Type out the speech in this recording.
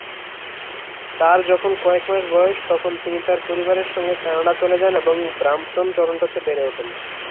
তার যখন কয়েক মাস বয়স তখন তিনি তার পরিবারের সঙ্গে কানাডা চলে যান এবং ব্রাম্পটোন-টরন্টোতে বেড়ে উঠেন।